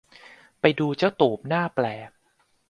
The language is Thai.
ไปดูเจ้าตูบหน้าแปลก